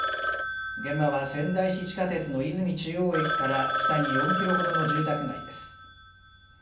現場は仙台市地下鉄の泉中央駅から北に４キロほどの住宅街です。